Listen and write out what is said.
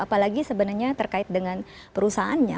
dan lagi sebenarnya terkait dengan perusahaannya